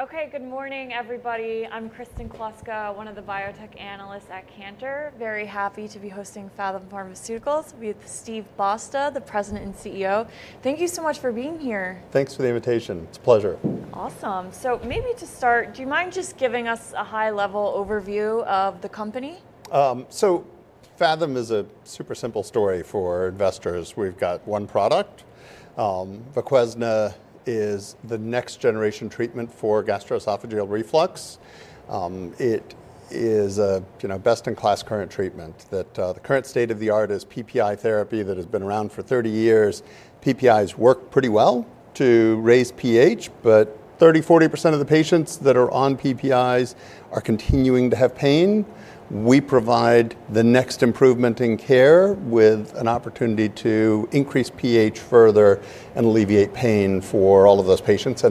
Okay, good morning, everybody. I'm Kristen Kluska, one of the biotech analysts at Cantor. Very happy to be hosting Phathom Pharmaceuticals with Steve Bosta, the President and CEO. Thank you so much for being here. Thanks for the invitation. It's a pleasure. Awesome. Maybe to start, do you mind just giving us a high-level overview of the company? Phathom is a super simple story for investors. We've got one product. VOQUEZNA is the next-generation treatment for gastroesophageal reflux. It is a best-in-class current treatment. The current state of the art is PPI therapy that has been around for 30 years. PPIs work pretty well to raise pH, but 30%, 40% of the patients that are on PPIs are continuing to have pain. We provide the next improvement in care with an opportunity to increase pH further and alleviate pain for all of those patients.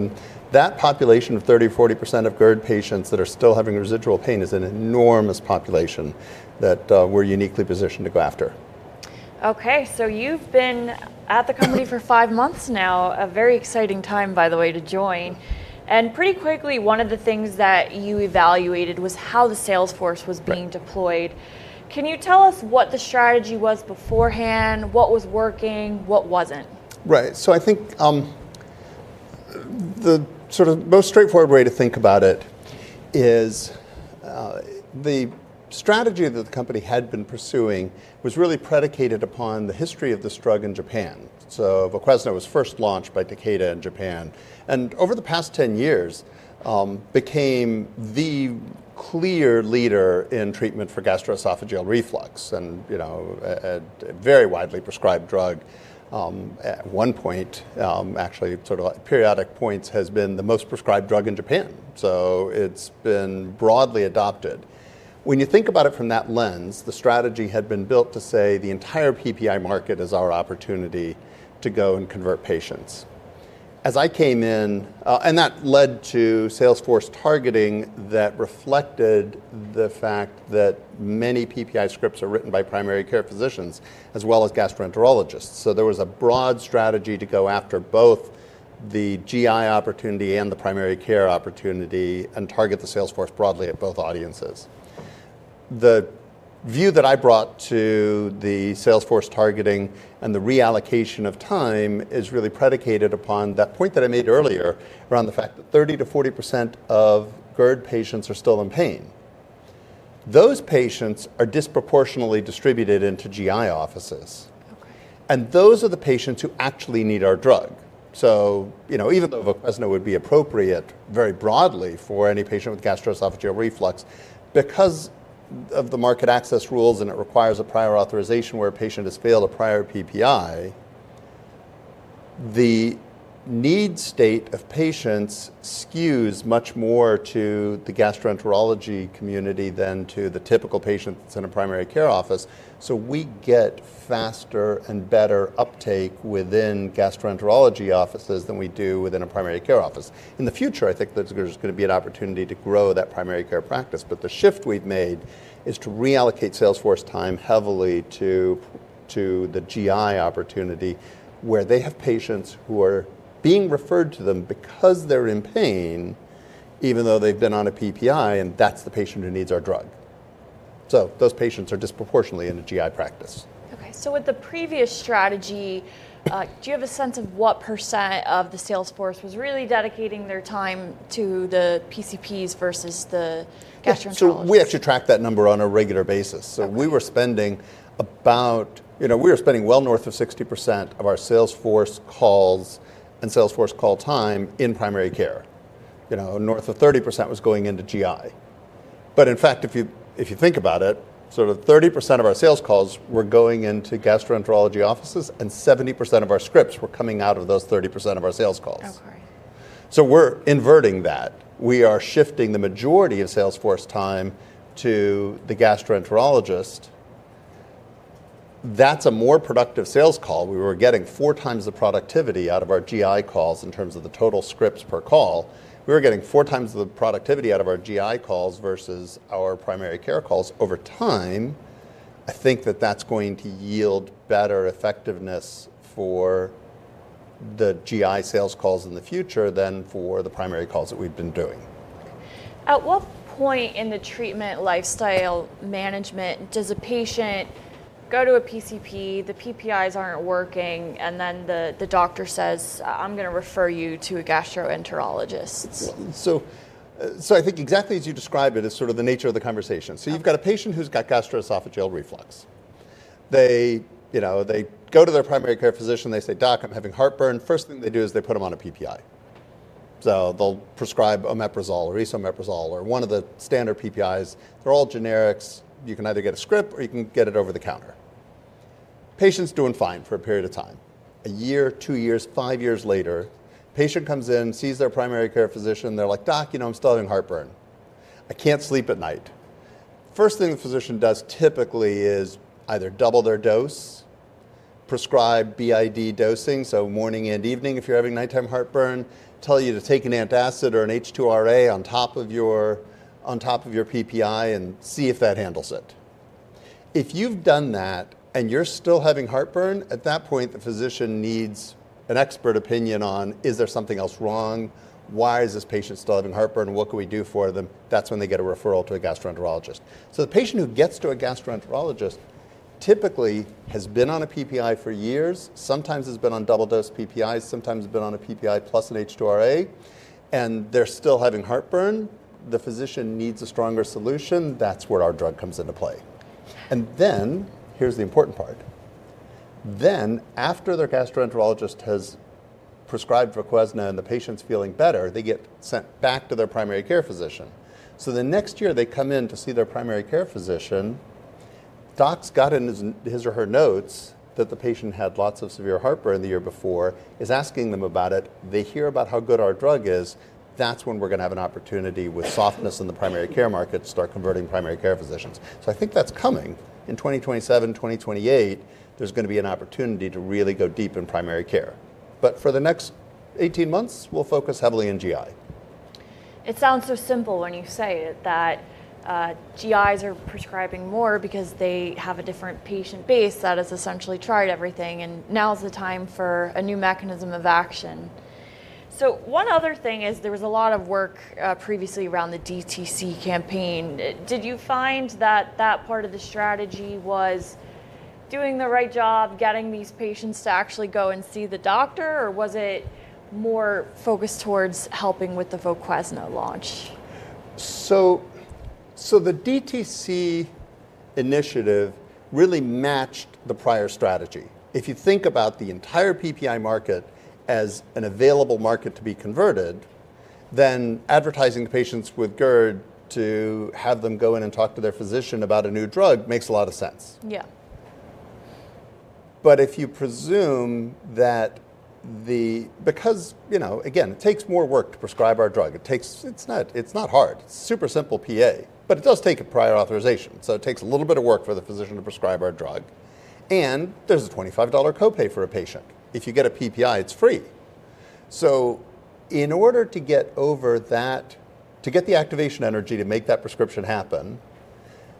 That population of 30%, 40% of GERD patients that are still having residual pain is an enormous population that we're uniquely positioned to go after. Okay, so you've been at the company for five months now, a very exciting time, by the way, to join. Pretty quickly, one of the things that you evaluated was how the sales force was being deployed. Can you tell us what the strategy was beforehand, what was working, what wasn't? Right. I think the sort of most straightforward way to think about it is the strategy that the company had been pursuing was really predicated upon the history of the drug in Japan. VOQUEZNA was first launched by Takeda in Japan. Over the past 10 years, it became the clear leader in treatment for gastroesophageal reflux. A very widely prescribed drug, at one point, actually, at periodic points, has been the most prescribed drug in Japan. It's been broadly adopted. When you think about it from that lens, the strategy had been built to say the entire PPI market is our opportunity to go and convert patients. As I came in, that led to salesforce targeting that reflected the fact that many PPI scripts are written by primary care physicians, as well as gastroenterologists. There was a broad strategy to go after both the GI opportunity and the primary care opportunity and target the salesforce broadly at both audiences. The view that I brought to the salesforce targeting and the reallocation of time is really predicated upon that point that I made earlier around the fact that 30%- 40% of GERD patients are still in pain. Those patients are disproportionately distributed into GI offices, and those are the patients who actually need our drug. Even though VOQUEZNA would be appropriate very broadly for any patient with gastroesophageal reflux, because of the market access rules and it requires a prior authorization where a patient has failed a prior PPI, the need state of patients skews much more to the gastroenterology community than to the typical patient that's in a primary care office. We get faster and better uptake within gastroenterology offices than we do within a primary care office. In the future, I think there's going to be an opportunity to grow that primary care practice. The shift we've made is to reallocate salesforce time heavily to the GI opportunity where they have patients who are being referred to them because they're in pain, even though they've been on a PPI, and that's the patient who needs our drug. Those patients are disproportionately in a GI practice. Okay, with the previous strategy, do you have a sense of what percent of the salesforce was really dedicating their time to the primary care physicians versus the gastroenterologists? We actually track that number on a regular basis. We were spending well north of 60% of our salesforce calls and salesforce call time in primary care. North of 30% was going into GI. In fact, if you think about it, sort of 30% of our sales calls were going into gastroenterology offices and 70% of our scripts were coming out of those 30% of our sales calls. Okay. We are inverting that. We are shifting the majority of salesforce time to the gastroenterologist. That's a more productive sales call. We were getting 4x the productivity out of our GI calls in terms of the total scripts per call. We were getting 4x the productivity out of our GI calls versus our primary care calls. Over time, I think that that's going to yield better effectiveness for the GI sales calls in the future than for the primary calls that we've been doing. At what point in the treatment lifestyle management does a patient go to a primary care physician, the proton pump inhibitors aren't working, and then the doctor says, "I'm going to refer you to a gastroenterologist"? I think exactly as you describe it, it's sort of the nature of the conversation. You've got a patient who's got gastroesophageal reflux. They go to their primary care physician. They say, "Doc, I'm having heartburn." First thing they do is they put them on a PPI. They'll prescribe omeprazole or esomeprazole or one of the standard PPIs. They're all generics. You can either get a script or you can get it over the counter. Patient's doing fine for a period of time. A year, two years, five years later, the patient comes in, sees their primary care physician. They're like, "Doc, you know, I'm still having heartburn. I can't sleep at night." First thing the physician does typically is either double their dose, prescribe b.i.d. dosing, so morning and evening if you're having nighttime heartburn, tell you to take an antacid or an H2RA on top of your PPI and see if that handles it. If you've done that and you're still having heartburn, at that point, the physician needs an expert opinion on, is there something else wrong? Why is this patient still having heartburn? What can we do for them? That's when they get a referral to a gastroenterologist. The patient who gets to a gastroenterologist typically has been on a PPI for years, sometimes has been on double-dose PPIs, sometimes has been on a PPI plus an H2RA, and they're still having heartburn. The physician needs a stronger solution. That's where our drug comes into play. Here's the important part. After their gastroenterologist has prescribed VOQUEZNA and the patient's feeling better, they get sent back to their primary care physician. The next year they come in to see their primary care physician, doc's got in his or her notes that the patient had lots of severe heartburn the year before, is asking them about it. They hear about how good our drug is. That's when we're going to have an opportunity with softness in the primary care market to start converting primary care physicians. I think that's coming. In 2027, 2028, there's going to be an opportunity to really go deep in primary care. For the next 18 months, we'll focus heavily on GI. It sounds so simple when you say it that GIs are prescribing more because they have a different patient base that has essentially tried everything and now is the time for a new mechanism of action. One other thing is there was a lot of work previously around the DTC campaign. Did you find that that part of the strategy was doing the right job, getting these patients to actually go and see the doctor, or was it more focused towards helping with the VOQUEZNA launch? The DTC initiative really matched the prior strategy. If you think about the entire PPI market as an available market to be converted, then advertising to patients with GERD to have them go in and talk to their physician about a new drug makes a lot of sense. Yeah. If you presume that, because it takes more work to prescribe our drug, it's not hard. It's super simple prior authorization, but it does take a prior authorization. It takes a little bit of work for the physician to prescribe our drug, and there's a $25 copay for a patient. If you get a PPI, it's free. In order to get over that, to get the activation energy to make that prescription happen,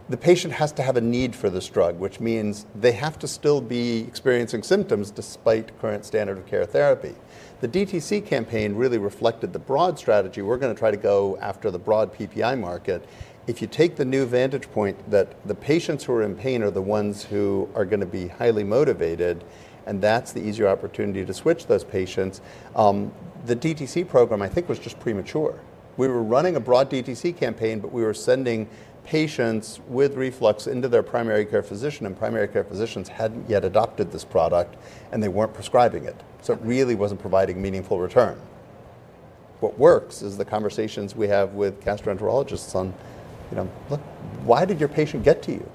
the patient has to have a need for this drug, which means they have to still be experiencing symptoms despite current standard of care therapy. The DTC campaign really reflected the broad strategy. We're going to try to go after the broad PPI market. If you take the new vantage point that the patients who are in pain are the ones who are going to be highly motivated, and that's the easier opportunity to switch those patients, the DTC program, I think, was just premature. We were running a broad DTC campaign, but we were sending patients with reflux into their primary care physician, and primary care physicians hadn't yet adopted this product, and they weren't prescribing it. It really wasn't providing meaningful return. What works is the conversations we have with gastroenterologists on why did your patient get to you,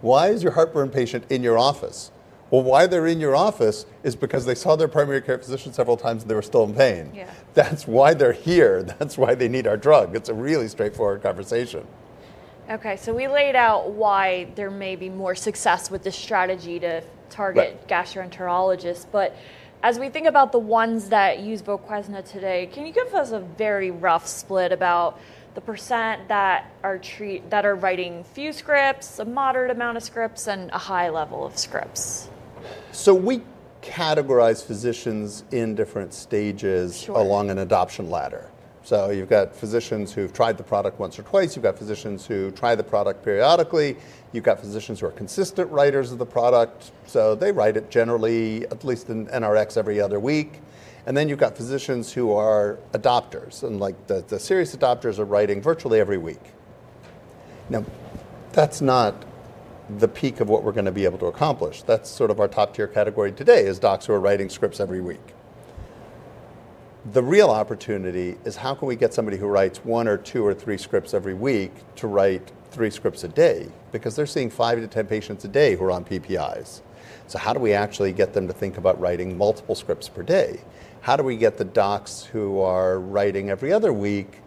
why is your heartburn patient in your office. They're in your office because they saw their primary care physician several times and they were still in pain. That's why they're here. That's why they need our drug. It's a really straightforward conversation. Okay, so we laid out why there may be more success with this strategy to target gastroenterologists, but as we think about the ones that use VOQUEZNA today, can you give us a very rough split about the percent that are writing few scripts, a moderate amount of scripts, and a high level of scripts? We categorize physicians in different stages along an adoption ladder. You've got physicians who've tried the product once or twice. You've got physicians who try the product periodically. You've got physicians who are consistent writers of the product. They write it generally, at least in NRX, every other week. You've got physicians who are adopters, and the serious adopters are writing virtually every week. That's not the peak of what we're going to be able to accomplish. That's sort of our top-tier category today: docs who are writing scripts every week. The real opportunity is how can we get somebody who writes one or two or three scripts every week to write three scripts a day? They're seeing five to 10 patients a day who are on PPIs. How do we actually get them to think about writing multiple scripts per day? How do we get the docs who are writing every other week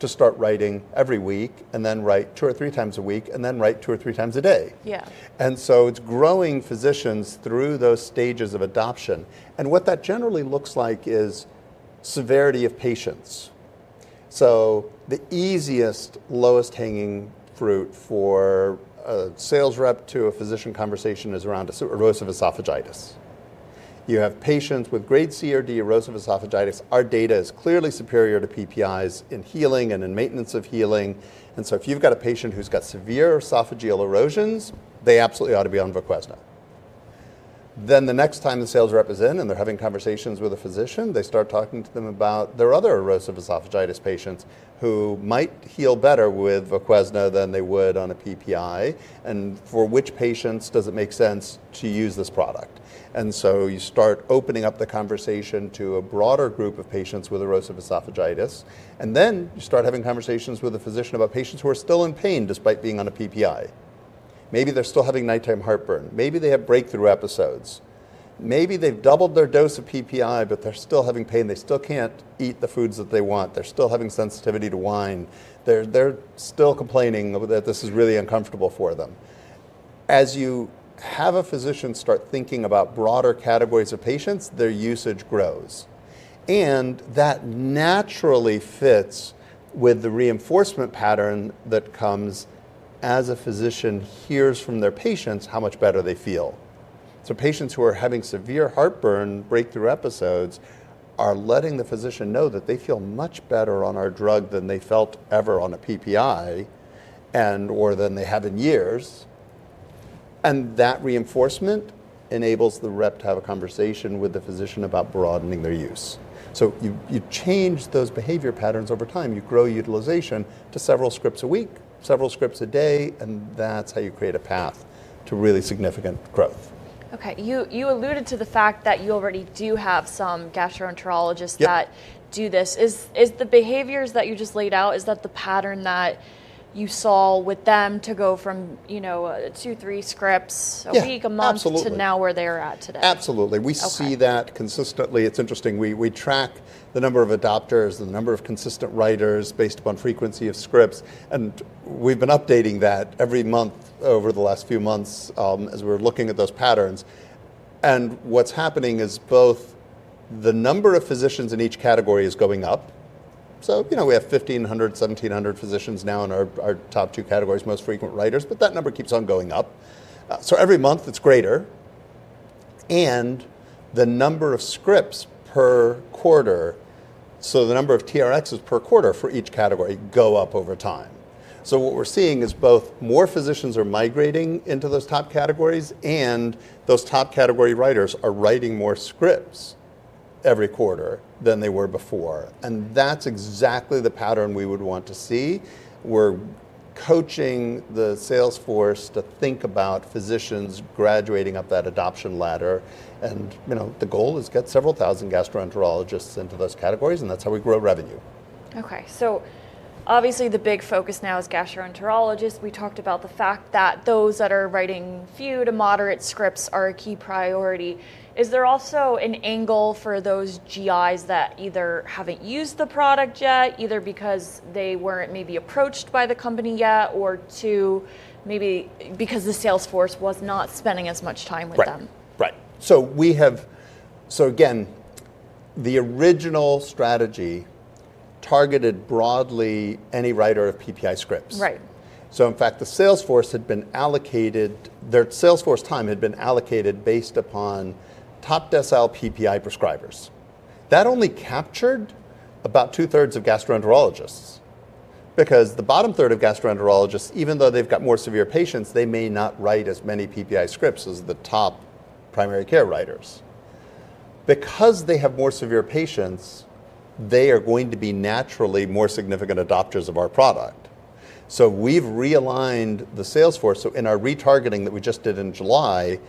to start writing every week, then write two or three times a week, and then write two or three times a day? Yeah. It's growing physicians through those stages of adoption. What that generally looks like is severity of patients. The easiest, lowest-hanging fruit for a sales rep to a physician conversation is around erosive esophagitis. You have patients with grade C or D erosive esophagitis. Our data is clearly superior to PPIs in healing and in maintenance of healing. If you've got a patient who's got severe esophageal erosions, they absolutely ought to be on VOQUEZNA. The next time the sales rep is in and they're having conversations with a physician, they start talking to them about their other erosive esophagitis patients who might heal better with VOQUEZNA than they would on a PPI and for which patients it makes sense to use this product. You start opening up the conversation to a broader group of patients with erosive esophagitis. You start having conversations with a physician about patients who are still in pain despite being on a PPI. Maybe they're still having nighttime heartburn. Maybe they have breakthrough episodes. Maybe they've doubled their dose of PPI, but they're still having pain. They still can't eat the foods that they want. They're still having sensitivity to wine. They're still complaining that this is really uncomfortable for them. As you have a physician start thinking about broader categories of patients, their usage grows. That naturally fits with the reinforcement pattern that comes as a physician hears from their patients how much better they feel. Patients who are having severe heartburn, breakthrough episodes are letting the physician know that they feel much better on our drug than they felt ever on a PPI and/or than they have in years. That reinforcement enables the rep to have a conversation with the physician about broadening their use. You change those behavior patterns over time. You grow utilization to several scripts a week, several scripts a day, and that's how you create a path to really significant growth. Okay, you alluded to the fact that you already do have some gastroenterologists that do this. Is the behaviors that you just laid out, is that the pattern that you saw with them to go from, you know, two, three scripts a week, a month, to now where they are at today? Absolutely. We see that consistently. It's interesting. We track the number of adopters, the number of consistent writers based upon frequency of scripts. We've been updating that every month over the last few months as we're looking at those patterns. What's happening is both the number of physicians in each category is going up. We have 1,500, 1,700 physicians now in our top two categories, most frequent writers, but that number keeps on going up. Every month it's greater. The number of scripts per quarter, so the number of TRXs per quarter for each category, goes up over time. What we're seeing is both more physicians are migrating into those top categories and those top category writers are writing more scripts every quarter than they were before. That's exactly the pattern we would want to see. We're coaching the salesforce to think about physicians graduating up that adoption ladder. The goal is to get several thousand gastroenterologists into those categories and that's how we grow revenue. Okay, so obviously the big focus now is gastroenterologists. We talked about the fact that those that are writing few to moderate scripts are a key priority. Is there also an angle for those GIs that either haven't used the product yet, either because they weren't maybe approached by the company yet, or maybe because the salesforce was not spending as much time with them? Right. We have, again, the original strategy targeted broadly any writer of PPI scripts. Right. In fact, the salesforce had been allocated, their salesforce time had been allocated based upon top decile PPI prescribers. That only captured about 2/3 of gastroenterologists. The bottom third of gastroenterologists, even though they've got more severe patients, may not write as many PPI scripts as the top primary care writers. Because they have more severe patients, they are going to be naturally more significant adopters of our product. We've realigned the salesforce. In our retargeting that we just did in July,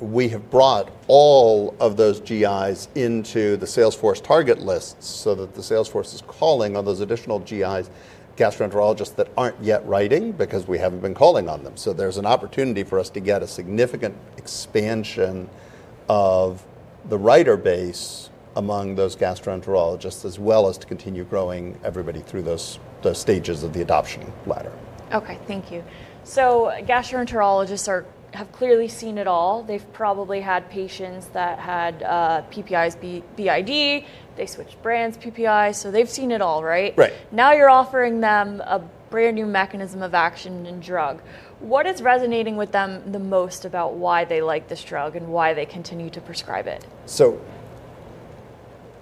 we have brought all of those GIs into the salesforce target lists so that the salesforce is calling on those additional GIs, gastroenterologists that aren't yet writing because we haven't been calling on them. There's an opportunity for us to get a significant expansion of the writer base among those gastroenterologists, as well as to continue growing everybody through those stages of the adoption ladder. Thank you. Gastroenterologists have clearly seen it all. They've probably had patients that had PPIs b.i.d. They switched brands, PPIs. They've seen it all, right? Right. Now you're offering them a brand new mechanism of action and drug. What is resonating with them the most about why they like this drug and why they continue to prescribe it?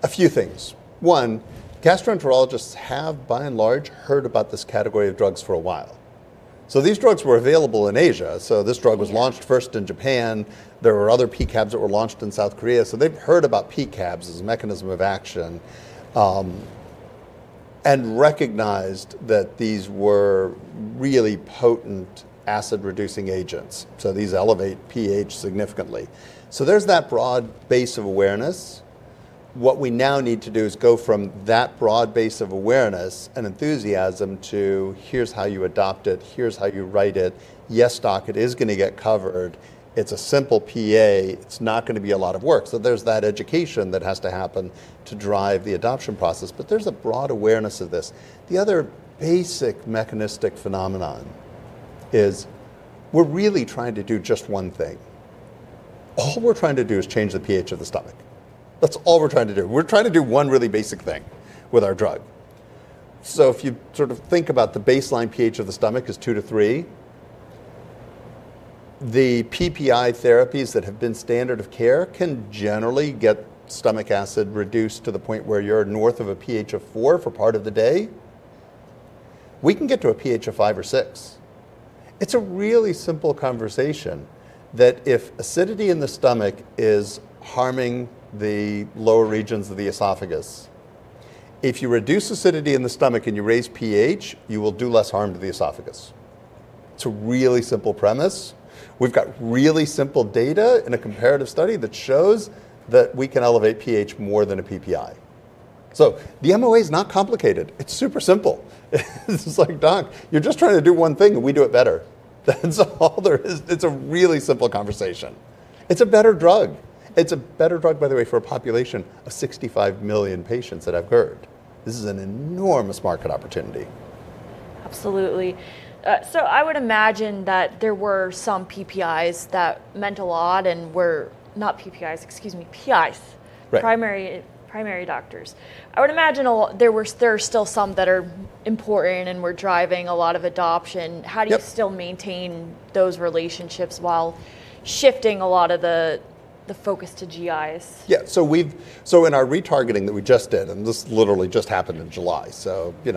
A few things. One, gastroenterologists have, by and large, heard about this category of drugs for a while. These drugs were available in Asia. This drug was launched first in Japan. There were other PCABs that were launched in South Korea. They've heard about PCABs as a mechanism of action and recognized that these were really potent acid-reducing agents. These elevate pH significantly. There's that broad base of awareness. What we now need to do is go from that broad base of awareness and enthusiasm to here's how you adopt it, here's how you write it. Yes, doc, it is going to get covered. It's a simple PA. It's not going to be a lot of work. There's that education that has to happen to drive the adoption process. There's a broad awareness of this. The other basic mechanistic phenomenon is we're really trying to do just one thing. All we're trying to do is change the pH of the stomach. That's all we're trying to do. We're trying to do one really basic thing with our drug. If you sort of think about the baseline pH of the stomach is two to three, the PPI therapies that have been standard of care can generally get stomach acid reduced to the point where you're north of a pH of four for part of the day. We can get to a pH of five or six. It's a really simple conversation that if acidity in the stomach is harming the lower regions of the esophagus, if you reduce acidity in the stomach and you raise pH, you will do less harm to the esophagus. It's a really simple premise. We've got really simple data in a comparative study that shows that we can elevate pH more than a PPI. The MOA is not complicated. It's super simple. It's just like, "Doc, you're just trying to do one thing and we do it better." That's all there is. It's a really simple conversation. It's a better drug. It's a better drug, by the way, for a population of 65 million patients that have GERD. This is an enormous market opportunity. Absolutely. I would imagine that there were some PPIs that meant a lot and were not PPIs, excuse me, primary care physicians. I would imagine there are still some that are important and were driving a lot of adoption. How do you still maintain those relationships while shifting a lot of the focus to gastroenterologists? Yeah, so in our retargeting that we just did, and this literally just happened in July,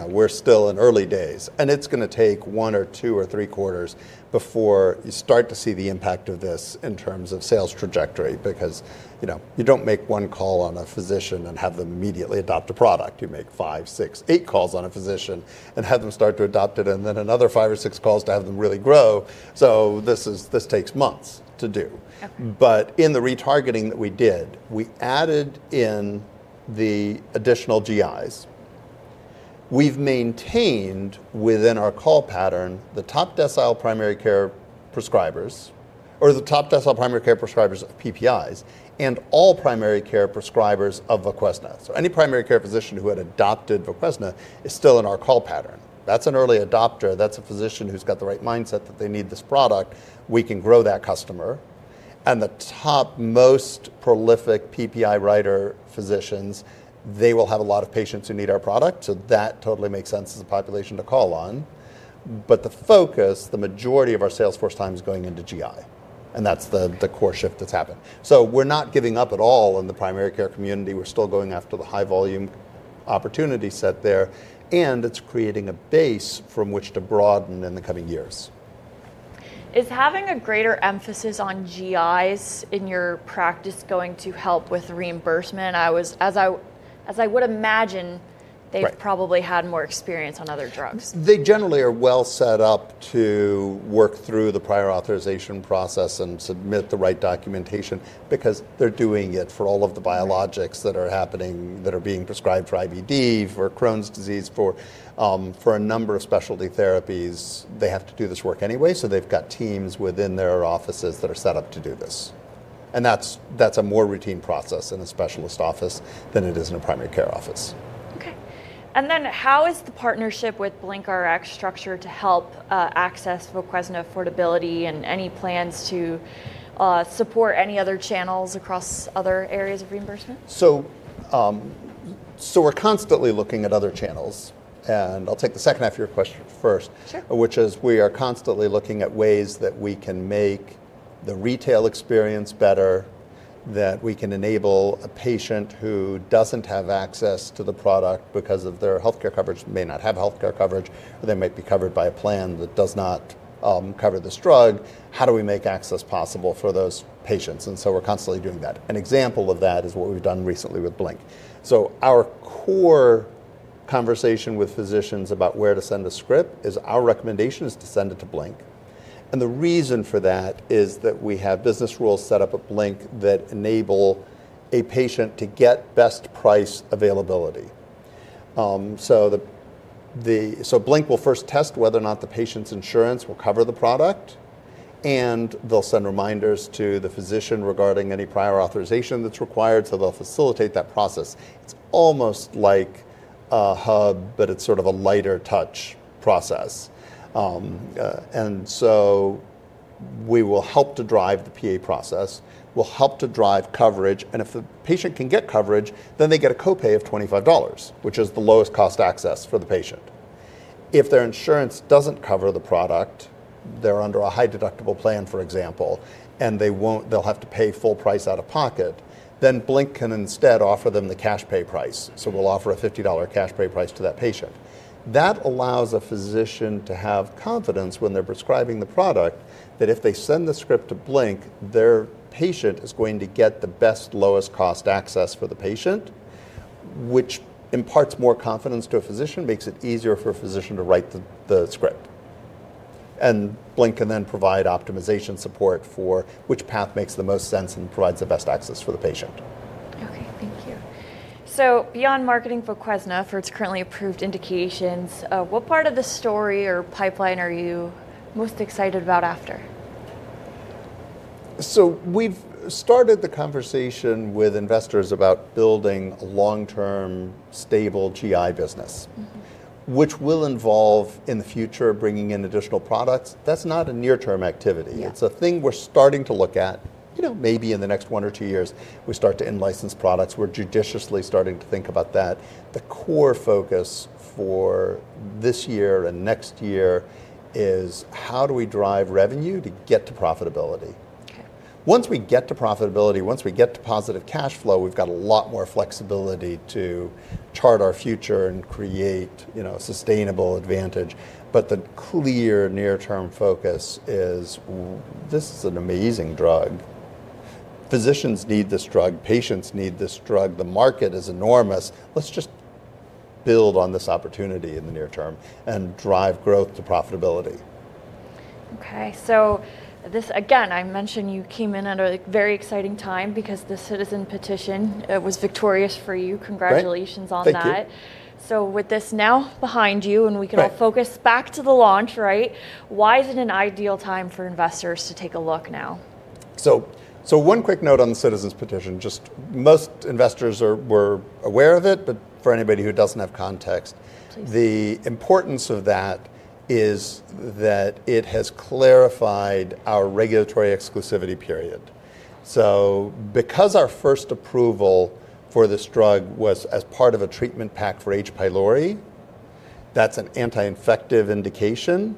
we're still in early days, and it's going to take one or two or three quarters before you start to see the impact of this in terms of sales trajectory, because you don't make one call on a physician and have them immediately adopt a product. You make five, six, eight calls on a physician and have them start to adopt it, and then another five or six calls to have them really grow. This takes months to do. In the retargeting that we did, we added in the additional gastroenterologists. We've maintained within our call pattern the top decile primary care prescribers, or the top decile primary care prescribers of proton pump inhibitors, and all primary care prescribers of VOQUEZNA. Any primary care physician who had adopted VOQUEZNA is still in our call pattern. That's an early adopter. That's a physician who's got the right mindset that they need this product. We can grow that customer. The top most prolific proton pump inhibitor writer physicians will have a lot of patients who need our product. That totally makes sense as a population to call on. The focus, the majority of our salesforce time is going into gastroenterology. That's the core shift that's happened. We're not giving up at all in the primary care community. We're still going after the high volume opportunity set there. It's creating a base from which to broaden in the coming years. Is having a greater emphasis on GIs in your practice going to help with reimbursement? I was, as I would imagine, they've probably had more experience on other drugs. They generally are well set up to work through the prior authorization process and submit the right documentation because they're doing it for all of the biologics that are being prescribed for IBD, for Crohn's disease, for a number of specialty therapies. They have to do this work anyway. They've got teams within their offices that are set up to do this. That's a more routine process in a specialist office than it is in a primary care office. Okay. How is the partnership with BlinkRx structured to help access VOQUEZNA affordability, and any plans to support any other channels across other areas of reimbursement? We are constantly looking at other channels. I'll take the second half of your question first, which is we are constantly looking at ways that we can make the retail experience better, that we can enable a patient who doesn't have access to the product because of their healthcare coverage, may not have healthcare coverage, or they might be covered by a plan that does not cover this drug. How do we make access possible for those patients? We are constantly doing that. An example of that is what we've done recently with Blink. Our core conversation with physicians about where to send a script is our recommendation is to send it to Blink. The reason for that is that we have business rules set up at Blink that enable a patient to get best price availability. Blink will first test whether or not the patient's insurance will cover the product. They'll send reminders to the physician regarding any prior authorization that's required. They'll facilitate that process. It's almost like a hub, but it's sort of a lighter touch process. We will help to drive the PA process. We'll help to drive coverage. If a patient can get coverage, then they get a copay of $25, which is the lowest cost access for the patient. If their insurance doesn't cover the product, they're under a high deductible plan, for example, and they won't, they'll have to pay full price out of pocket. Blink can instead offer them the cash pay price. We'll offer a $50 cash pay price to that patient. That allows a physician to have confidence when they're prescribing the product that if they send the script to Blink, their patient is going to get the best lowest cost access for the patient, which imparts more confidence to a physician and makes it easier for a physician to write the script. Blink can then provide optimization support for which path makes the most sense and provides the best access for the patient. Thank you. Beyond marketing VOQUEZNA for its currently approved indications, what part of the story or pipeline are you most excited about after? We've started the conversation with investors about building a long-term stable GI business, which will involve in the future bringing in additional products. That's not a near-term activity. It's a thing we're starting to look at, maybe in the next one or two years, we start to in-license products. We're judiciously starting to think about that. The core focus for this year and next year is how do we drive revenue to get to profitability. Once we get to profitability, once we get to positive cash flow, we've got a lot more flexibility to chart our future and create sustainable advantage. The clear near-term focus is this is an amazing drug. Physicians need this drug. Patients need this drug. The market is enormous. Let's just build on this opportunity in the near term and drive growth to profitability. Okay, this, again, I mentioned you came in at a very exciting time because the Citizen Petition was victorious for you. Congratulations on that. Thanks. With this now behind you, we can focus back to the launch, right? Why is it an ideal time for investors to take a look now? One quick note on the Citizen Petition. Most investors were aware of it, but for anybody who doesn't have context, the importance of that is that it has clarified our regulatory exclusivity period. Because our first approval for this drug was as part of a treatment pack for H. pylori, that's an anti-infective indication,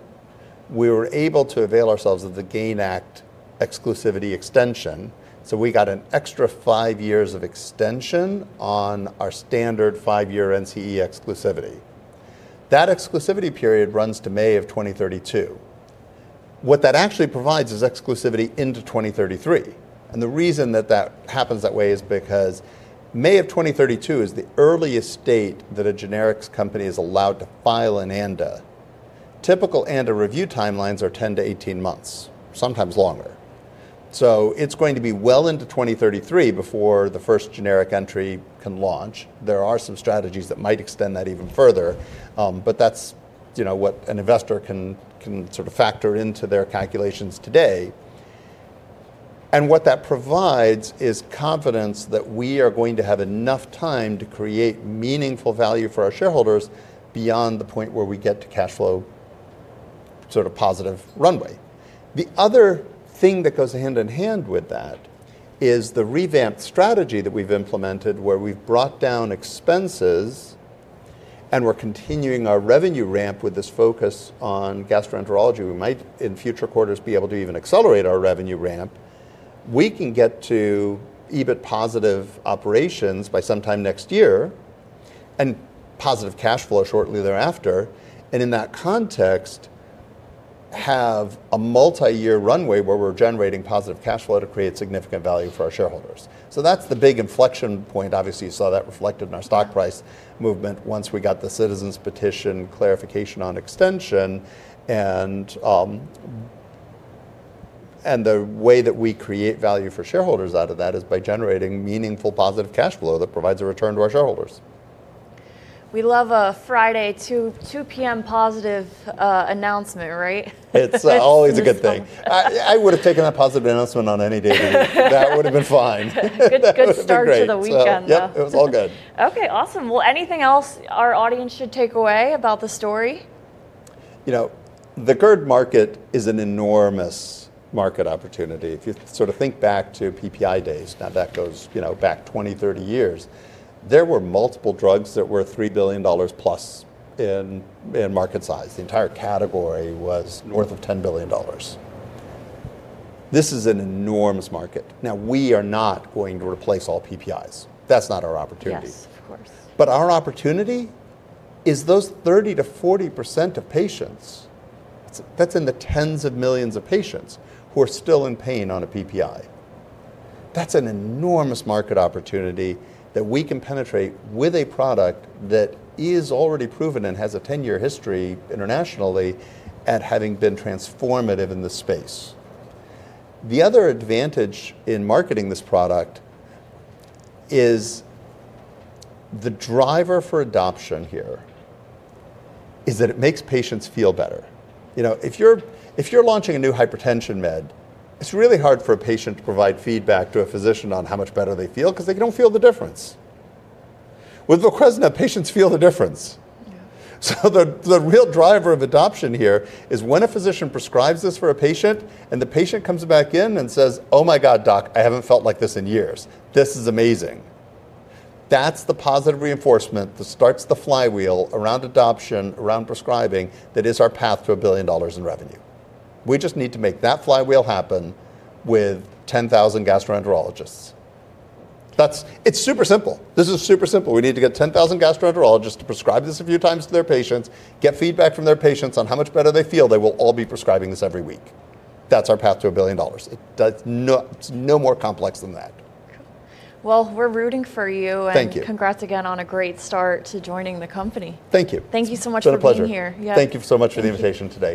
we were able to avail ourselves of the GAIN Act exclusivity extension. We got an extra five years of extension on our standard five-year NCE exclusivity. That exclusivity period runs to May of 2032. What that actually provides is exclusivity into 2033. The reason that that happens that way is because May of 2032 is the earliest date that a generics company is allowed to file an ANDA. Typical ANDA review timelines are 10- 18 months, sometimes longer. It's going to be well into 2033 before the first generic entry can launch. There are some strategies that might extend that even further, but that's what an investor can sort of factor into their calculations today. What that provides is confidence that we are going to have enough time to create meaningful value for our shareholders beyond the point where we get to cash flow sort of positive runway. The other thing that goes hand- in- hand with that is the revamped strategy that we've implemented where we've brought down expenses and we're continuing our revenue ramp with this focus on gastroenterology. We might, in future quarters, be able to even accelerate our revenue ramp. We can get to EBIT positive operations by sometime next year and positive cash flow shortly thereafter. In that context, have a multi-year runway where we're generating positive cash flow to create significant value for our shareholders. That's the big inflection point. Obviously, you saw that reflected in our stock price movement once we got the Citizen Petition clarification on extension. The way that we create value for shareholders out of that is by generating meaningful positive cash flow that provides a return to our shareholders. We love a Friday 2:00 P.M. positive announcement, right? It's always a good thing. I would have taken that positive announcement on any day of the week. That would have been fine. Good start to the weekend. Yep, it was all good. Okay, awesome. Is there anything else our audience should take away about the story? You know, the GERD market is an enormous market opportunity. If you sort of think back to PPI days, now that goes, you know, back 20, 30 years, there were multiple drugs that were $3+ billion in market size. The entire category was north of $10 billion. This is an enormous market. Now, we are not going to replace all PPIs. That's not our opportunity. Yes, of course. Our opportunity is those 30%- 40% of patients, that's in the tens of millions of patients who are still in pain on a PPI. That's an enormous market opportunity that we can penetrate with a product that is already proven and has a 10-year history internationally at having been transformative in this space. The other advantage in marketing this product is the driver for adoption here is that it makes patients feel better. You know, if you're launching a new hypertension med, it's really hard for a patient to provide feedback to a physician on how much better they feel because they don't feel the difference. With VOQUEZNA, patients feel the difference. The real driver of adoption here is when a physician prescribes this for a patient and the patient comes back in and says, "Oh my God, Doc, I haven't felt like this in years. This is amazing." That's the positive reinforcement that starts the flywheel around adoption, around prescribing that is our path to $1 billion in revenue. We just need to make that flywheel happen with 10,000 gastroenterologists. It's super simple. This is super simple. We need to get 10,000 gastroenterologists to prescribe this a few times to their patients, get feedback from their patients on how much better they feel. They will all be prescribing this every week. That's our path to $1 billion. It's no more complex than that. We're rooting for you. Thank you. Congratulations again on a great start to joining the company. Thank you. Thank you so much for being here. Thank you so much for the invitation today.